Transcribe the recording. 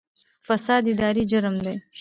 فساد اداري جرم دی